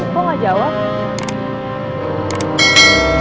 kok gak jawab